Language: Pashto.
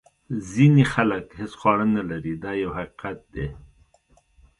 ځینې خلک هیڅ خواړه نه لري دا یو حقیقت دی.